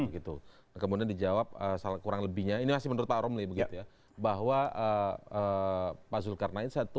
gitu kemudian dijawab salah kurang lebihnya ini masih menurut pak romli bahwa pak zulkarnain satu